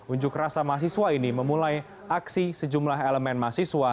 unjuk rasa mahasiswa ini memulai aksi sejumlah elemen mahasiswa